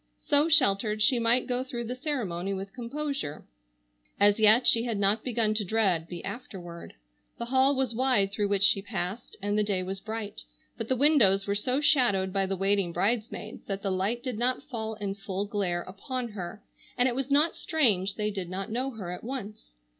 So sheltered she might go through the ceremony with composure. As yet she had not begun to dread the afterward. The hall was wide through which she passed, and the day was bright, but the windows were so shadowed by the waiting bridesmaids that the light did not fall in full glare upon her, and it was not strange they did not know her at once.